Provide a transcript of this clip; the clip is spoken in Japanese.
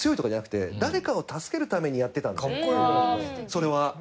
それは。